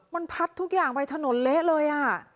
มันพัดทุกอย่างไปถนนเละเลย